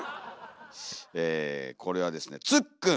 これはですね「つっくん」。